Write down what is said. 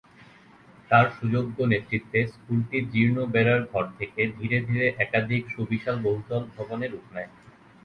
তার সুযোগ্য নেতৃত্বে স্কুলটি জীর্ণ বেড়ার ঘর থেকে ধীরে ধীরে একাধিক সুবিশাল বহুতল ভবনে রূপ নেয়।